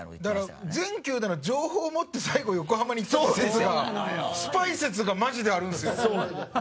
だから全球団の情報を持って最後横浜にきたって事ですからスパイ説がマジであるんですよ。